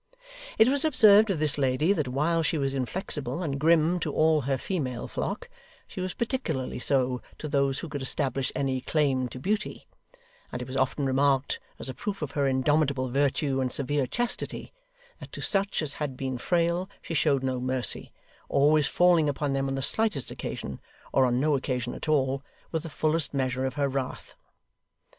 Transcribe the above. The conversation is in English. It was observed of this lady that while she was inflexible and grim to all her female flock, she was particularly so to those who could establish any claim to beauty: and it was often remarked as a proof of her indomitable virtue and severe chastity, that to such as had been frail she showed no mercy; always falling upon them on the slightest occasion, or on no occasion at all, with the fullest measure of her wrath.